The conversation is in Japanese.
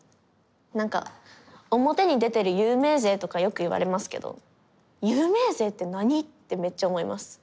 なんか表に出てる有名税とかよく言われますけど有名税って何？ってめっちゃ思います。